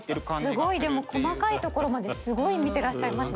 すごいでも細かいところまですごい見てらっしゃいますね。